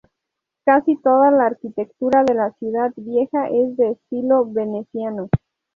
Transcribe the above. Casi toda la arquitectura de la Ciudad vieja es de estilo veneciano.